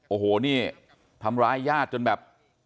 โอ้โหนี่ทำร้ายญาติจนแบบ